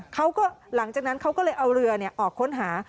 หลังจากนั้นเขาก็เลยเอาเรือออกค้นหา